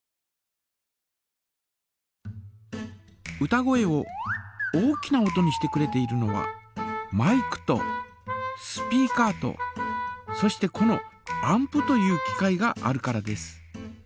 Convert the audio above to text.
歌声を大きな音にしてくれているのはマイクとスピーカーとそしてこのアンプという機械があるからです。